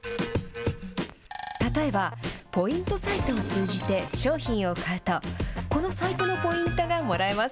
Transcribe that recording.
例えば、ポイントサイトを通じて商品を買うと、このサイトのポイントがもらえます。